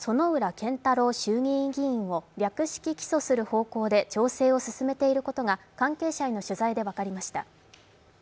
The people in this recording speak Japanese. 健太郎衆議院議員を略式起訴する方向で調整を進めていることが関係者への取材で分かりました。